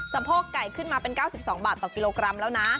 โพกไก่ขึ้นมาเป็น๙๒บาทต่อกิโลกรัมแล้วนะ